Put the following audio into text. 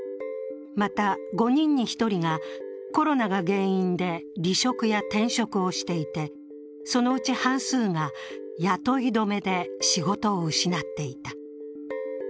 また、５人に１人がコロナが原因で離職や転職をしていてそのうち半数が雇い止めで仕事を失っていた。